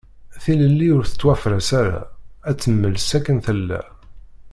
Tilelli ur tettwafras ara, ad temmels akken tella.